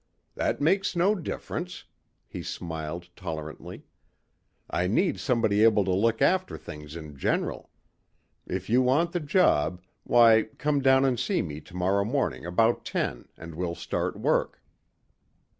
"That makes no difference," he smiled tolerantly. "I need somebody able to look after things in general. If you want the job, why come down and see me tomorrow morning about ten and we'll start work."